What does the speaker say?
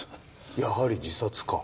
やはり自殺か。